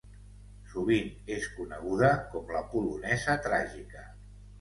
Sovint és coneguda com la Polonesa tràgica.